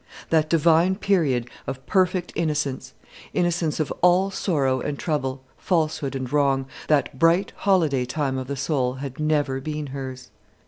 That divine period of perfect innocence, innocence of all sorrow and trouble, falsehood and wrong, that bright holiday time of the soul, had never been hers.